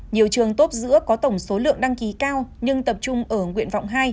nhiều trường tốp giữa có tổng số lượng đăng ký cao nhưng tập trung ở nguyện vọng một